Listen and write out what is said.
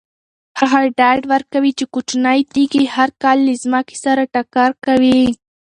هغه ډاډ ورکوي چې کوچنۍ تیږې هر کال له ځمکې سره ټکر کوي.